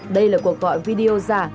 đây là cuộc gọi video giả